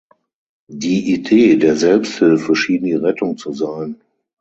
Die Idee der Selbsthilfe schien die Rettung zu sein.